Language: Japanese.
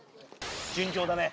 順調だね。